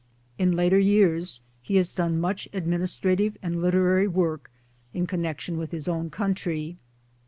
In later years he has done much administrative and literary work in connection with his own county.